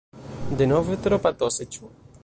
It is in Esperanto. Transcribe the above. Denove tro patose, ĉu?